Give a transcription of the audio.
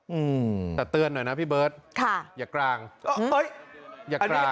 อืมแต่เตือนหน่อยนะพี่เบิร์ทค่ะอย่ากลางอ๋ออุ้ยอย่ากลางอันนี้